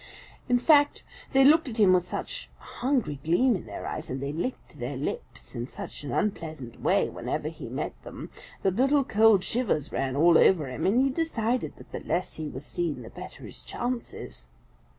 In fact, they looked at him with such a hungry gleam in their eyes, and they licked their lips in such an unpleasant way whenever he met them, that little cold shivers ran all over him and he decided that the less he was seen the better his chances.